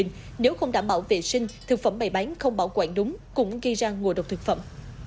nếu không đảm bảo vệ sinh thực phẩm bày bán không bảo quản đúng cũng gây ra ngộ độc thực phẩm